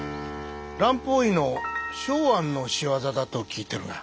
蘭方医の松庵の仕業だと聞いてるが。